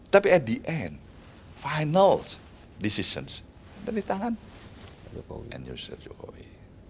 tapi at the end final decisions ada di tangan end users jokowi